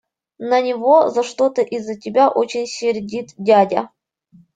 На него за что-то из-за тебя очень сердит дядя.